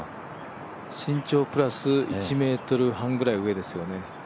身長プラス１ｍぐらい上ですね。